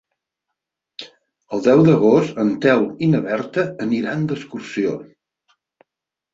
El deu d'agost en Telm i na Berta aniran d'excursió.